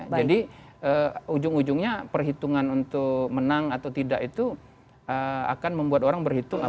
jadi ujung ujungnya perhitungan untuk menang atau tidak itu akan membuat orang berhitung apakah politik identitas itu menang atau tidak